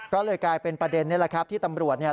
ก็เลยกลายเป็นประเด็นนี่แหละครับที่ตำรวจเนี่ย